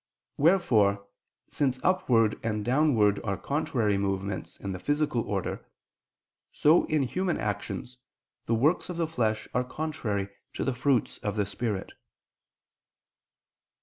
Wherefore, since upward and downward are contrary movements in the physical order, so in human actions the works of the flesh are contrary to the fruits of the Spirit.